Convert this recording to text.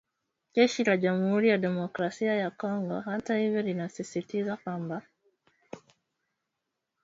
Jeshi la Jamuhuri ya Demokrasia ya Kongo hata hivyo linasisitiza kwamba wanajeshi hao wawili